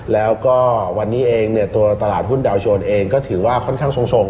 แล้วก็วันนี้เองเนี่ยตัวตลาดหุ้นดาวโชนเองก็ถือว่าค่อนข้างทรง